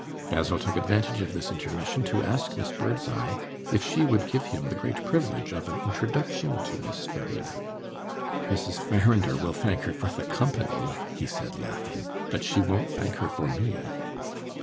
Basil took advantage of this intermission to ask Miss Birdseye if she would give him the great privilege of an introduction to Miss Verena. "Mrs. Farrinder will thank her for the company," he said, laughing, "but she won't thank her for me."